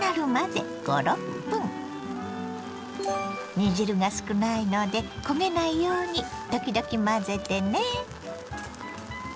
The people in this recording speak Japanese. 煮汁が少ないので焦げないように時々混ぜてね。